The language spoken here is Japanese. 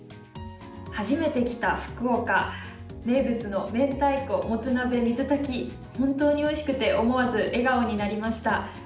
初めて来た福岡名物のめんたいこ、もつ鍋水炊き、本当においしくて思わず笑顔になりました。